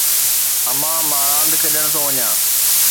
امان مان راند کيڏڻ ٿو وڃان.